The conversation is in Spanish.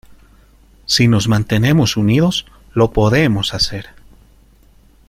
Si nos mantenemos unidos lo podemos hacer.